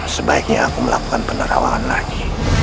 sebaiknya aku melakukan penerawangan lagi